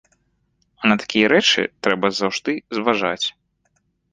А на такія рэчы трэба заўжды зважаць.